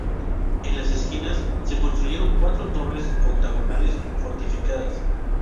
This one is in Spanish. En las esquinas se construyeron cuatro torres octogonales fortificadas.